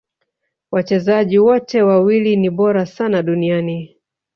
Wachezaji wote wawili ni bora sana duniani